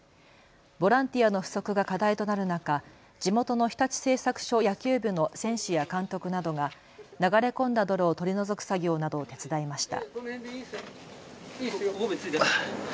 ボランティアの不足が課題となる中、地元の日立製作所野球部の選手や監督などが流れ込んだ泥を取り除く作業などを手伝いました。